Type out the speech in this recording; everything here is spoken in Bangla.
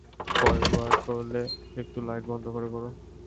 পরের বার করলে, একটু লাইট বন্ধ করে কোরো।